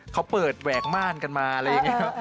เขาเปิดแหวกม่านกันมาอะไรอย่างนี้ครับ